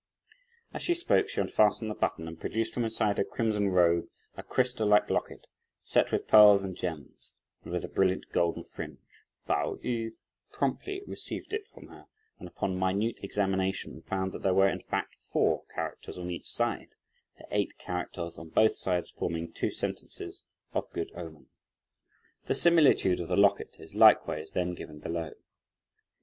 As she spoke, she unfastened the button, and produced from inside her crimson robe, a crystal like locket, set with pearls and gems, and with a brilliant golden fringe. Pao yü promptly received it from her, and upon minute examination, found that there were in fact four characters on each side; the eight characters on both sides forming two sentences of good omen. The similitude of the locket is likewise then given below.